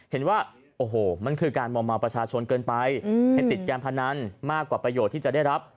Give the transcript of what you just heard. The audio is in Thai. เห็นว่าโอ้โหมันคือการมอมเมาประชาชนเกินไปให้ติดการพนันมากกว่าประโยชน์ที่จะได้รับ